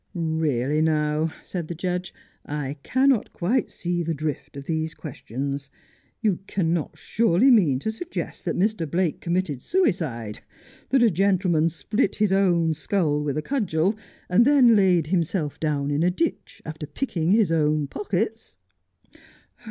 'Really now,' said the judge, ' I cannot quite see the drift of these questions. You cannot surely mean to suggest that Mr. Blake committed suicide ? That a gentleman split his own skull with a cudgel, and then laid himself down in a ditch, after pick ing his own pockets